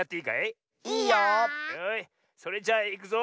それじゃあいくぞ。